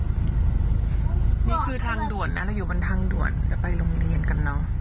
นี่คือทางด่วนนะเราอยู่บนทางด่วนจะไปโรงเรียนกันเนอะ